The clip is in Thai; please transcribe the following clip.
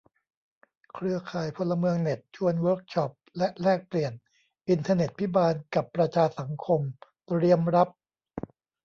เครือข่ายพลเมืองเน็ต ชวนเวิร์กช็อปและแลกเปลี่ยน "อินเทอร์เน็ตภิบาลกับประชาสังคม" เตรียมรับ